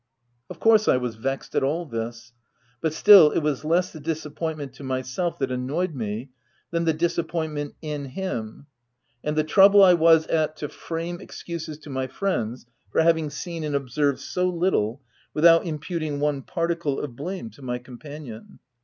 Of course I was vexed at all this ; but, still, it was less the disappointment to myself that annoyed me, than the disappointment in him, and the trouble I was t at to frame excuses to my friends for having seen and observed so little, without imputing one particle of blame to my companion.